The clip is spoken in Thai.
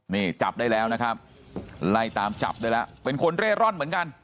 นี่จับได้แล้วนะครับไล่ตามจับได้แล้วเป็นคนเร่ร่อนเหมือนกัน